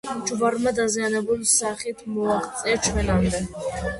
ჯვარმა დაზიანებული სახით მოაღწია ჩვენამდე.